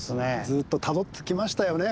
ずっとたどってきましたよね。